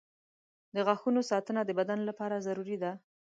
• د غاښونو ساتنه د بدن لپاره ضروري ده.